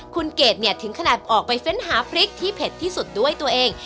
คุณเกดเนี่ยถึงขนาดออกไปเฟ้นหาพริกที่เผ็ดที่สุดด้วยตัวเอง